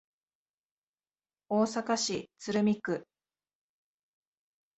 大阪市鶴見区